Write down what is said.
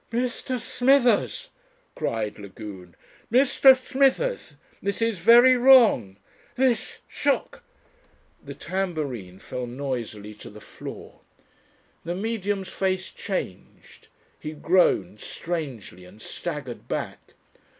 "Mr. Smithers," cried Lagune. "Mr. Smithers, this is very wrong. This shock " The tambourine fell noisily to the floor. The Medium's face changed, he groaned strangely and staggered back.